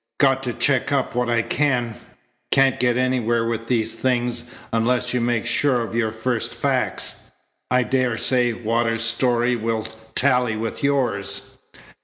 "Got to check up what I can. Can't get anywhere with these things unless you make sure of your first facts. I daresay Waters's story will tally with yours."